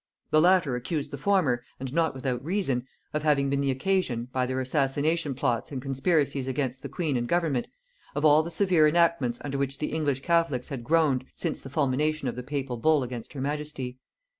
The latter accused the former, and not without reason, of having been the occasion, by their assassination plots and conspiracies against the queen and government, of all the severe enactments under which the English catholics had groaned since the fulmination of the papal bull against her majesty.